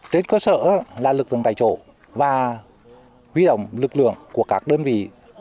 trên cơ sở là lực lượng tại chỗ và huy động lực lượng của các đơn vị